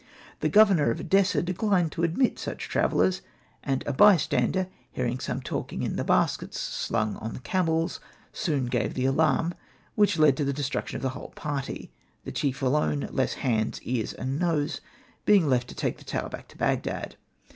The governor of Edessa declined to admit such travellers, and a by stander, hearing some talking in the baskets slung on the camels, soon gave the alarm, which led to the destruction of the whole party ; the chief alone, less hands, ears, and nose, being left to take the tale back to Bagdad.